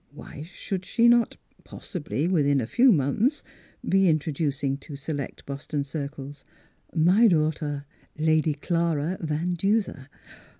Why should she not — possibly within a few months — be introducing to select Boston circles, " my daughter, Lady Clara Van Duser."